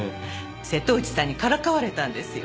瀬戸内さんにからかわれたんですよ。